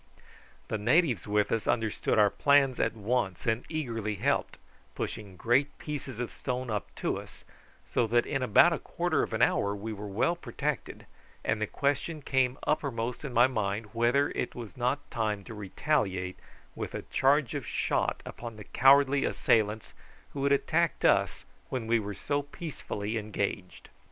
The natives with us understood our plans at once, and eagerly helped, pushing great pieces of stone up to us, so that in about a quarter of an hour we were well protected, and the question came uppermost in my mind whether it was not time to retaliate with a charge of shot upon the cowardly assailants, who had attacked us when we were so peacefully engaged.